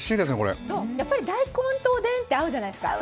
やっぱり大根とおでんって合うじゃないですか。